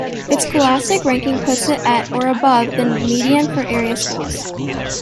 Its scholastic ranking puts it at or above the median for area schools.